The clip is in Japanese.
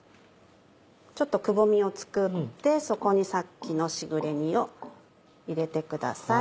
ちょっとくぼみを作ってそこにさっきのしぐれ煮を入れてください。